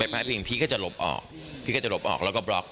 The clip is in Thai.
ไปพลาดพิงเข้าอีก